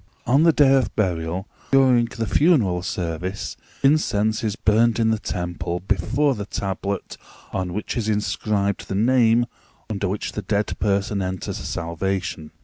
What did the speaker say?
On the day of burial, during the funeral service, incense is burned in the temple before the tablet on which is inscribed the name under which the dead person enters salvation.